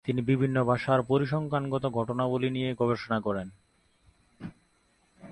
তিনি বিভিন্ন ভাষার পরিসংখ্যানগত ঘটনাবলী নিয়ে গবেষণা করেন।